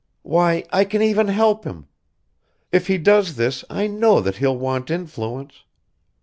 Why, I can even help him. If he does this I know that he'll want influence.